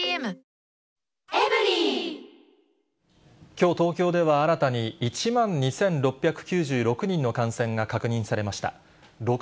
きょう、東京では新たに１万２６９６人の感染が確認されました。